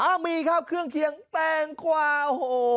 มีครับเครื่องเคียงแตงกวาโอ้โห